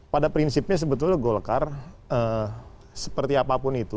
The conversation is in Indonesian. pada prinsipnya sebetulnya golkar seperti apapun itu